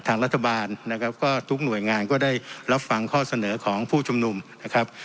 ทางรัฐบาลนะครับก็ทุกหน่วยงานก็ได้รับฟังข้อเสนอของผู้ชุมนุมนะครับ